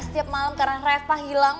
setiap malam karena reva hilang